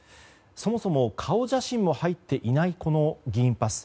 そもそも顔写真も入っていないこの議員パス。